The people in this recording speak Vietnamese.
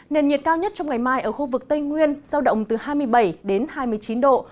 nền nhiệt cao nhất trong ngày mai ở khu vực tây nguyên giao động từ hai mươi bảy đến hai mươi chín độ